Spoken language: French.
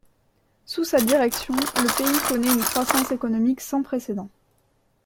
Sous sa direction, le pays connaît une croissance économique sans précédent.